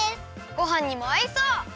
ごはんにもあいそう！